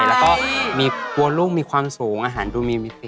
แล้วก็มีรูปมีความสูงอาหารดูมีวิธี